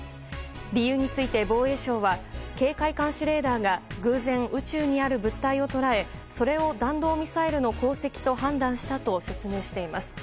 理由について防衛省は警戒監視レーダーが偶然、宇宙にある物体を捉えそれを弾道ミサイルの航跡と判断したと説明しています。